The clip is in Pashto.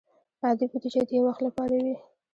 عادي بودیجه د یو وخت لپاره وي.